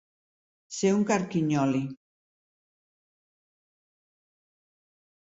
Ser un carquinyoli.